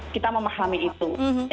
kita memahami itu